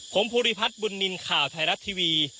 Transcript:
ผมภูริพัฒน์บุญนินทร์ข่าวไทยรัฐทีวี